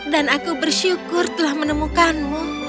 dan aku bersyukur telah menemukanmu